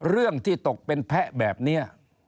เรื่องที่ตกเป็นแพะแบบนี้